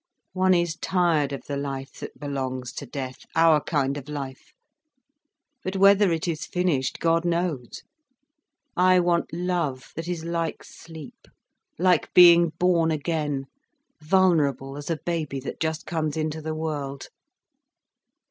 One is tired of the life that belongs to death—our kind of life. But whether it is finished, God knows. I want love that is like sleep, like being born again, vulnerable as a baby that just comes into the world."